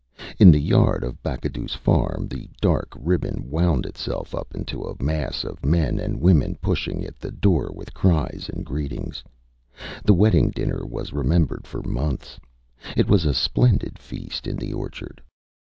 In the yard of BacadouÂs farm the dark ribbon wound itself up into a mass of men and women pushing at the door with cries and greetings. The wedding dinner was remembered for months. It was a splendid feast in the orchard.